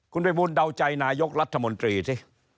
คุณภัยบูลเดาใจนายกรัฐมนตรีสิ